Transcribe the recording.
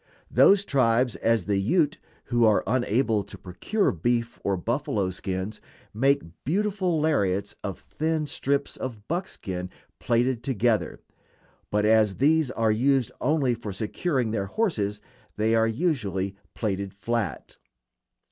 Those tribes, as the Ute, who are unable to procure beef or buffalo skins, make beautiful lariats of thin strips of buckskin plaited together; but as these are used only for securing their horses they are usually plaited flat.